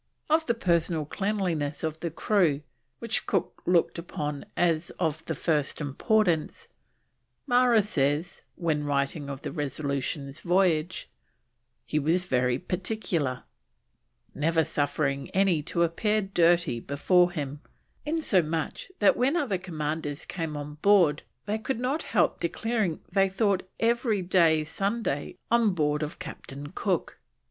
Of the personal cleanliness of the crew, which Cook looked upon as of the first importance, Marra says (when writing of the Resolution's voyage) he was very particular: "never suffering any to appear dirty before him, in so much that when other Commanders came on board, they could not help declaring they thought EVERY DAY Sunday on board of Captain Cook."